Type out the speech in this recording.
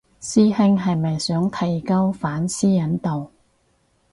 師兄係咪想提高返私隱度